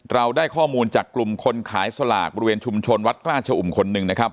เราได้ข้อมูลจากกลุ่มคนขายสลากบริเวณชุมชนวัดกล้าชะอุ่มคนหนึ่งนะครับ